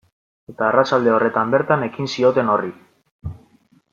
Eta arratsalde horretan bertan ekin zioten horri.